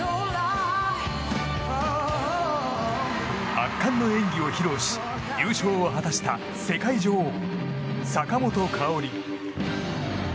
圧巻の演技を披露し優勝を果たした世界女王・坂本花織。